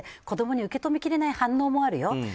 子供に受け止めきれない反応もあるよ。